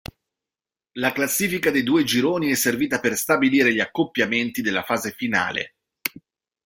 La classifica dei due gironi è servita per stabilire gli accoppiamenti della fase finale.